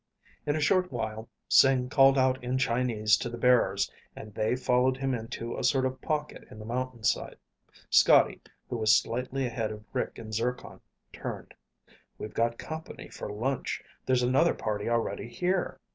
In a short while Sing called out in Chinese to the bearers and they followed him into a sort of pocket in the mountainside. Scotty, who was slightly ahead of Rick and Zircon, turned. "We've got company for lunch. There's another party already here."